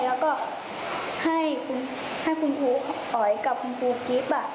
แล้วก็ให้คุณครูอ๋อยกับคุณครูกิฟต์